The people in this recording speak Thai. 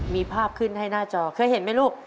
มีภาพขึ้นให้หน้าจอเคยเห็นไหมลูก